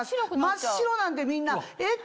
真っ白なんでみんなえっ！